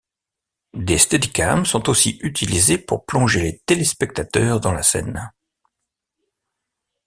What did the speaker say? Des Steadicam sont aussi utilisés pour plonger les téléspectateurs dans la scène.